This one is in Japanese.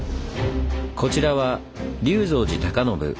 こちらは龍造寺隆信。